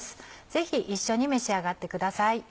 ぜひ一緒に召し上がってください。